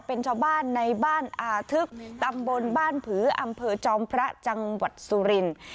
เป็นชาวบ้านในบ้านอาทึกตำบลบ้านผืออำเภอจอมพระจังหวัดสุรินทร์